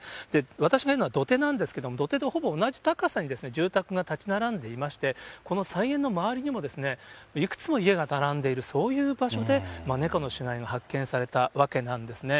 私がいるのは土手なんですけれども、土手とほぼ同じ高さに住宅が建ち並んでいまして、この菜園の周りにも、いくつも家が並んでいる、そういう場所で、猫の死骸が発見されたわけなんですね。